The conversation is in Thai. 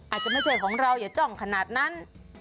อาจจะไม่ใช่ของเราอย่าจ้องขนาดนั้น